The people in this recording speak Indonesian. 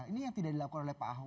ini yang tidak dilakukan oleh pak ahok